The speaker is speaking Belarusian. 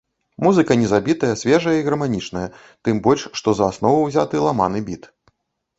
Музыка не забітая, свежая і гарманічная, тым больш, што за аснову ўзяты ламаны біт.